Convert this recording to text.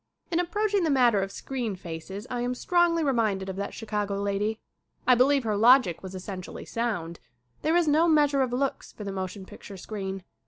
In approaching the matter of screen faces I am strongly reminded of that Chicago lady. I believe her logic was essentially sound. There is no measure of looks for the motion picture screen.